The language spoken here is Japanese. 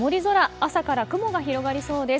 朝から雲が広がりそうです。